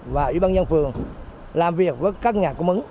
và ủy ban nhân phường làm việc với các nhà cung ứng